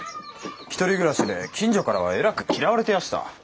１人暮らしで近所からはえらく嫌われてやした。